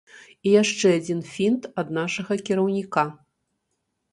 І яшчэ адзін фінт ад нашага кіраўніка.